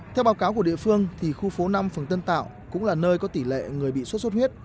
theo báo cáo của địa phương khu phố năm phường tân tạo cũng là nơi có tỷ lệ người bị suốt suốt huyết